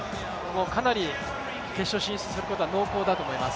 かなり決勝進出することは濃厚だと思います。